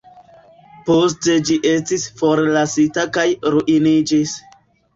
Poste ĝi estis forlasita kaj ruiniĝis.